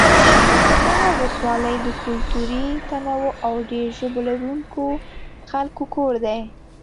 دغه ولسوالۍ د کلتوري تنوع او ډېر ژبو لرونکو خلکو کور دی.